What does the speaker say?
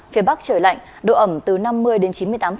phía bắc trời lạnh độ ẩm từ năm mươi đến chín mươi tám